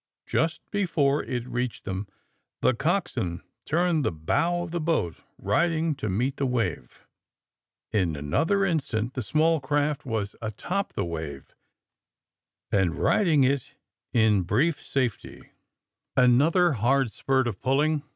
Just before it reached them the coxswain turned the bow of the 124 THE SUBMARINE BOYS boat, riding to meet tlie wave. In another in stant the small craft was a top the wave, and riding it in brief safety. Another hard spurt of pnlling.